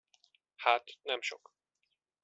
Hát, nem sok.